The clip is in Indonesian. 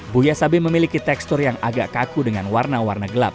buya sabi memiliki tekstur yang agak kaku dengan warna warna gelap